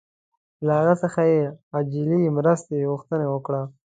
له هغه څخه یې عاجلې مرستې غوښتنه وکړه.